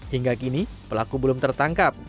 hingga kini pelaku belum tertangkap